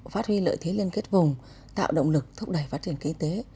phát huy lợi thế liên kết vùng tạo động lực thúc đẩy phát triển kinh tế